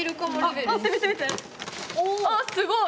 あすごい！